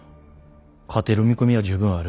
勝てる見込みは十分ある。